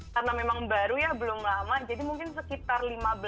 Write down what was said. karena memang baru ya belum lama jadi mungkin sekitar lima belas